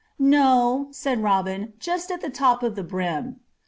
"] "No," said Robin; "just at the top of the brim."